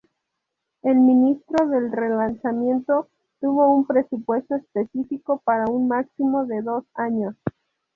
El ministro del relanzamiento tiene un presupuesto específico para un máximo de dos años.